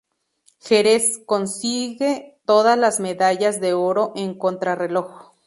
Jerez: Consigue todas las medallas de oro en contrarreloj.